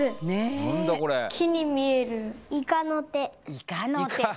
イカの手！